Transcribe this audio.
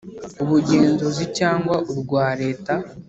ubugenzuzi cyangwa urwa Leta;